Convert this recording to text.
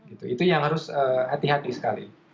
itu yang harus hati hati sekali